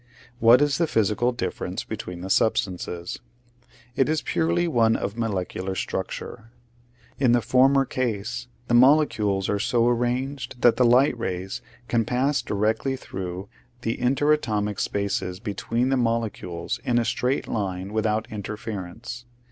What is the physical difference between the substances ? It is purely one of molecular structure. In the former case the molecules are so arranged that the light rays can pass directly through the interatomic spaces between the molecules in a straight line without interference.